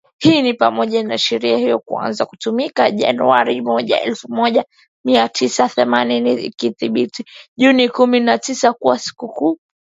Hii ni pamoja sheria hiyo kuanza kutumika Januari moja, elfu moja mia tisa themanini ikiadhmisha Juni kumi na tisa kuwa sikukuu rasmi ya jimbo